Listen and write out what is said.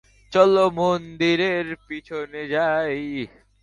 চলো মন্দিরের পিছনে যাই।